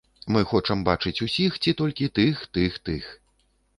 Мы хочам бачыць усіх ці толькі тых, тых, тых.